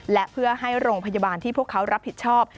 และเพื่อให้โรงพยาบาลที่พวกเขารับผิดชอบ